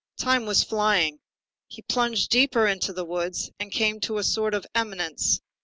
Time was flying. He plunged deeper into the woods and came to a sort of eminence.